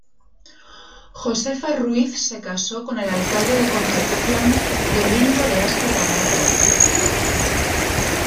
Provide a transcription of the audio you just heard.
Josefa Ruiz, se casó con el alcalde de Concepción, Domingo de Aspe Gamarra.